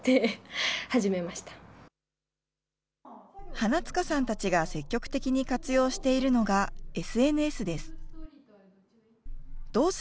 花塚さんたちが積極的に活用しているのが、ＳＮＳです。